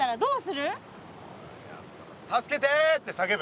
「助けて」って叫ぶ。